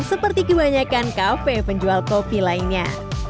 seperti kebanyakan kafe penjual kopi lainnya